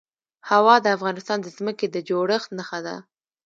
هوا د افغانستان د ځمکې د جوړښت نښه ده.